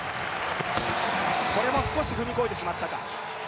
これも少し踏み越えてしまったか。